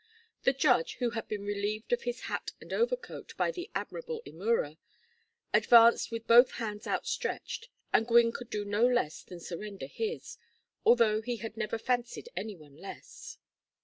The judge, who had been relieved of his hat and overcoat by the admirable Imura, advanced with both hands outstretched, and Gwynne could do no less than surrender his, although he had never fancied any one less.